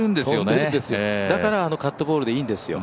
だからあのカットボールでいいんですよ。